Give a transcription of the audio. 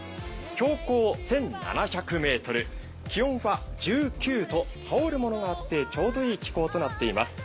標高１７００ｍ、気温は１９度、羽織る物があってちょうどいい気候となっています。